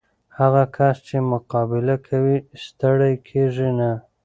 هغه کس چې مقابله کوي، ستړی کېږي نه.